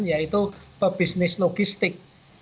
yaitu pebisnis logistik